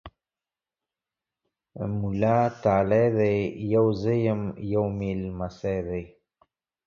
مولا تالی دی! يو زه یم، یو مې نمسی دی۔